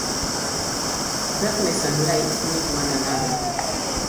Darkness and light need one another.